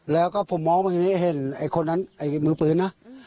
แล้วก็ผมมองไปนี่เห็นไอ้มือปืนนะ